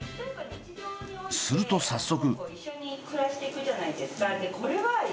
すると早速。